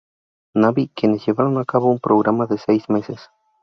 Navy, quienes llevaron a cabo un programa de seis meses.